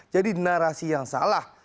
jadi narasi yang salah